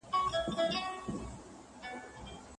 ځوان به ویښ وو هغه آش هغه کاسه وه